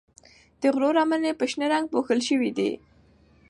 د غرو لمنې په شنه رنګ پوښل شوې دي.